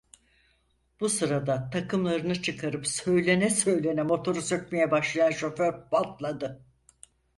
Bu sırada takımlarını çıkarıp söylene söylene motoru sökmeye başlayan şoför patladı: